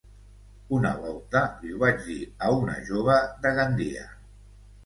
Una volta li ho vaig dir a una jove de Gandia.